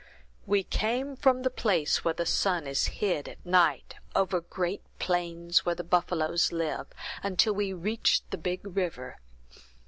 "We came from the place where the sun is hid at night, over great plains where the buffaloes live, until we reached the big river.